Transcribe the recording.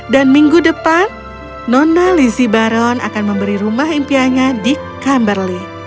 dan minggu depan nona lizzie barron akan memberi rumah impianya di cumberley